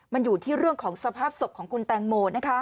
มันอยู่ที่เรื่องของสภาพศพของคุณแตงโม